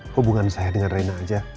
hubungan saya dengan rina aja